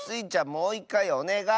もういっかいおねがい！